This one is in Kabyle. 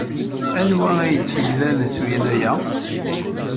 Anwa ay tt-ilan tugna-a?